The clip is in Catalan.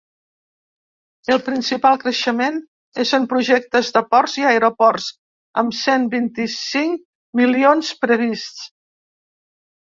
El principal creixement és en projectes de ports i aeroports, amb cent vint-i-cinc milions prevists.